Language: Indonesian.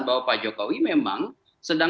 bahwa pak jokowi memang sedang